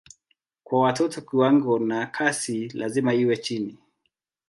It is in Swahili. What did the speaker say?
Kwa watoto kiwango na kasi lazima iwe chini.